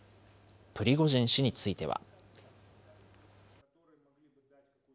プリゴジン氏については。